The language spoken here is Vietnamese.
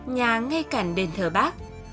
nhà ngay cạnh đền thờ bác